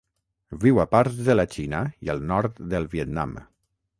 Viu a parts de la Xina i el nord del Vietnam.